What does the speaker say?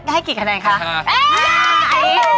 ให้กี่คะแนนคะ๕แล้วไอ้กิ๊น